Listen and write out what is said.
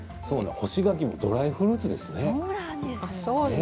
干し柿もドライフルーツですね。